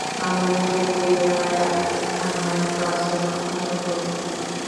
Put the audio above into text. আমার নিজের পরিবার আমার কাছে অসম্পূর্ণ মনে হয়।